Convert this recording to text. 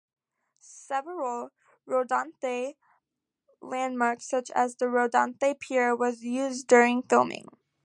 Several Rodanthe landmarks such as the Rodanthe Pier were used during filming.